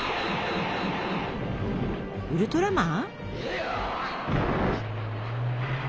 ウルトラマン？